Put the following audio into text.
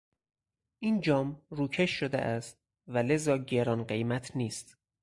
این جام روکش شده است و لذا گران قیمت نیست.